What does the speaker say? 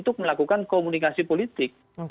untuk melakukan komunikasi politik